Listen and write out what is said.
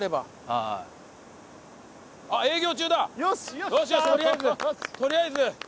とりあえず。